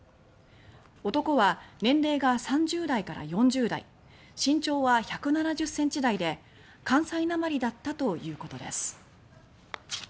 男は年齢が３０代から４０代身長は１７０ｃｍ台で関西なまりだったということです。